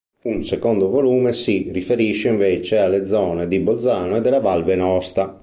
Un secondo volume si riferisce invece alle zone di Bolzano e della Val Venosta.